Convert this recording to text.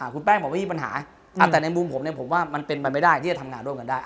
คุณแป้งบอกว่ามีปัญหาแต่ในมุมผมเนี่ยผมว่ามันเป็นไปไม่ได้ที่จะทำงานร่วมกันได้